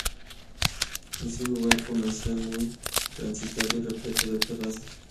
Es un lugar comercial, muy transitado y repleto de terrazas.